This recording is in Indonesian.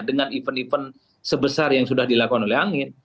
dengan event event sebesar yang sudah dilakukan oleh angin